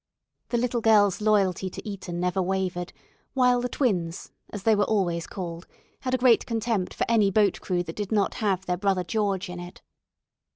The little girls' loyalty to Eton never wavered, while the "Twins," as they were always called, had a great contempt for any boat crew that did not have their brother George in it.